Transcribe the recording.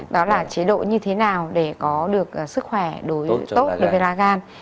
đó là chế độ như thế nào để có được sức khỏe tốt đối với ra gan